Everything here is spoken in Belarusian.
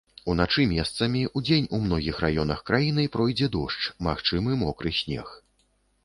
Уначы месцамі, удзень у многіх раёнах краіны пройдзе дождж, магчымы мокры снег.